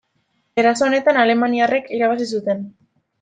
Eraso honetan Alemaniarrek irabazi zuten.